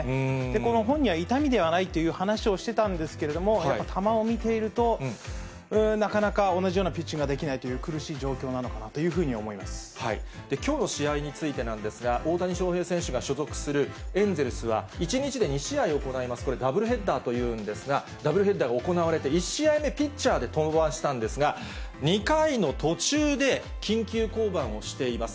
この本人は、痛みではないという話をしてたんですけれども、やっぱり球を見ていると、うーん、なかなか同じようなピッチングができないという苦しい状況なのかきょうの試合についてなんですが、大谷翔平選手が所属するエンゼルスは、１日で２試合を行います、これ、ダブルヘッダーというんですが、ダブルヘッダーが行われて、１試合目、ピッチャーで登板したんですが、２回の途中で、緊急降板をしています。